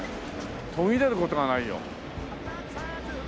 途切れる事がないよ。